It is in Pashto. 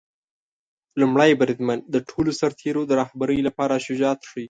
لومړی بریدمن د ټولو سرتیرو د رهبری لپاره شجاعت ښيي.